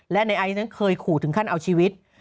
และนายไอซ์เคยขู่ถึงขั้นเอาชีวิต